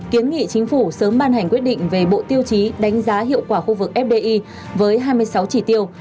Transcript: kiến nghị chính phủ sớm ban hành quyết định về bộ tiêu chí đánh giá hiệu quả khu vực fdi với hai mươi sáu chỉ tiêu